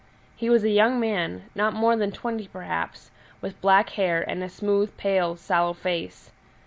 He was a young man, not more than twenty perhaps, with black hair and a smooth, pale, sallow face.